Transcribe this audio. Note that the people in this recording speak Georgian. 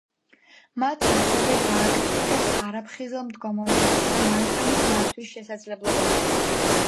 მათ, ასევე გააკრიტიკეს არაფხიზელ მდგომარეობაში მანქანის მართვის შესაძლებლობაზე.